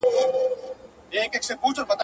د زمري غار بې هډوکو نه وي.